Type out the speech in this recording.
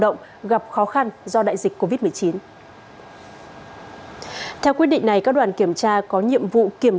động gặp khó khăn do đại dịch covid một mươi chín theo quyết định này các đoàn kiểm tra có nhiệm vụ kiểm